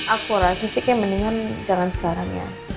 aku rasa sih kayak mendingan jangan sekarang ya